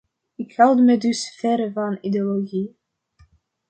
Ik houd me dus verre van ideologie.